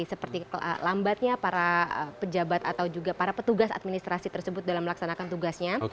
seperti lambatnya para pejabat atau juga para petugas administrasi tersebut dalam melaksanakan tugasnya